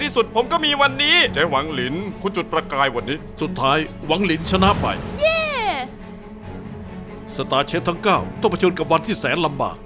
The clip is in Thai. สตาร์เชฟทั้ง๙ต้องเผชิญกับวันที่แสนลำบาก